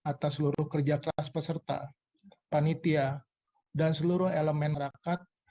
atas seluruh kerja keras peserta panitia dan seluruh elemen rakyat